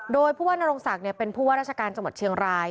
โดยผู้ว่านโรงศักดิ์เป็นผู้ว่าราชการจังหวัดเชียงราย